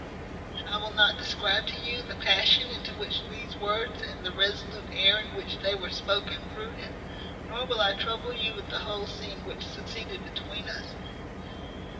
"I will not describe to you the passion into which these words, and the resolute air in which they were spoken, threw him: nor will I trouble you with the whole scene which succeeded between us.